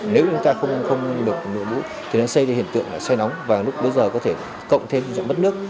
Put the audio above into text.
nếu chúng ta không được nổi bụi thì nó sẽ gây hiện tượng say nắng và lúc bây giờ có thể cộng thêm mất nước